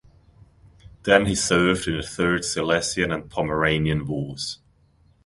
Then he served in the Third Silesian and Pomeranian wars.